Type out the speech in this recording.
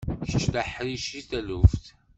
Kečč d aḥric seg taluft.